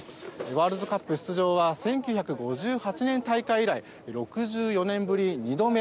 ワールドカップ出場は１９５８年大会以来６４年ぶり２度目。